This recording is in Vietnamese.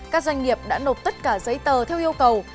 các doanh nghiệp đã nộp tất cả giấy tờ theo yêu cầu